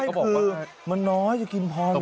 ไม่คือมันน้อยจะกินพอ